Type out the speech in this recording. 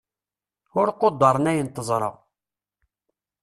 ur quddren ayen teẓṛa